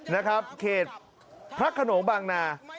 นะครับเขตพระขนงบางนา